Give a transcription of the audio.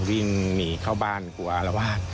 วิ่งหนีเข้าบ้านกลัวอารวาส